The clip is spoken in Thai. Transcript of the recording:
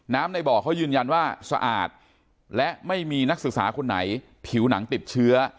ในบ่อเขายืนยันว่าสะอาดและไม่มีนักศึกษาคนไหนผิวหนังติดเชื้อ